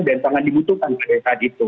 dan sangat dibutuhkan pada saat itu